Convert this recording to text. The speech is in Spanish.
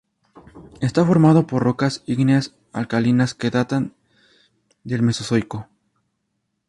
Está formado por rocas ígneas alcalinas que datan del mesozoico.